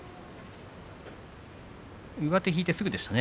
上手を引いてすぐでしたね